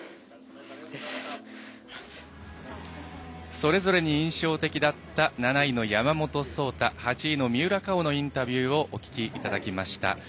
それぞれに印象的だった７位の山本草太８位の三浦佳生のインタビューをお聞きいただきました。